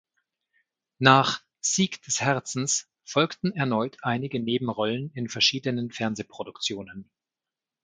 Nach "Sieg des Herzens" folgten erneut einige Nebenrollen in verschiedenen Fernsehproduktionen.